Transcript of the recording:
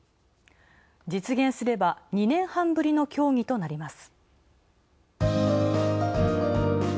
実現すれば、２年半ぶりの協議となります。